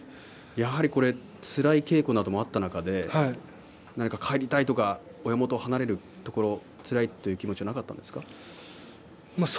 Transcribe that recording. つらい稽古もあった中で帰りたいとは親元を離れてつらいという気持ちはなかったですか。